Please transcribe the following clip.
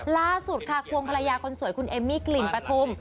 ล่าสุดค่ะควงภรรยาคนสวยคุณเอมมี่กลิ่นปฐุม